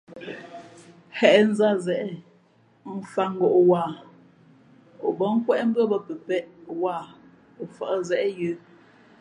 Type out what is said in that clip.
Hěʼ nzāt zeʼe, mfāt ngōʼ wāha o bά nkwéʼ mbʉ́άbᾱ pəpēʼ wāha o fα̌ʼ zeʼ yə̌.